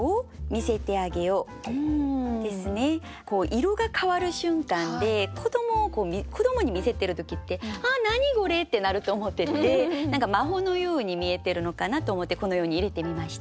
色が変わる瞬間で子どもに見せてる時って「あっ何これ！」ってなると思ってて何か魔法のように見えてるのかなと思ってこのように入れてみました。